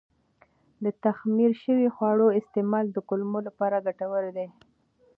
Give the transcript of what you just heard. د تخمیر شوي خواړو استعمال د کولمو لپاره ګټور دی.